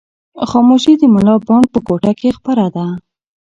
خاموشي د ملا بانګ په کوټه کې خپره ده.